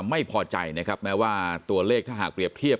ไม่พอใจนะครับแม้ว่าตัวเลขถ้าหากเปรียบเทียบ